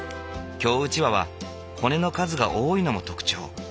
京うちわは骨の数が多いのも特徴。